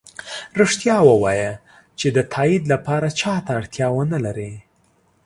ریښتیا ؤوایه چې د تایید لپاره چا ته اړتیا ونه لری